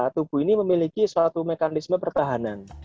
tubuh ini memiliki suatu mekanisme pertahanan